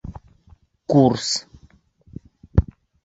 Курс.